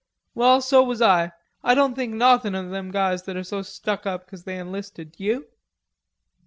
"Well, so was I. I doan think nauthin o' them guys that are so stuck up 'cause they enlisted, d'you?"